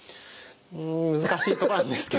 うん難しいとこなんですけど。